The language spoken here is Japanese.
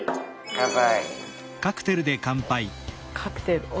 乾杯。